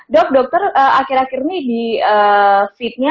dok dokter akhir akhir ini di feednya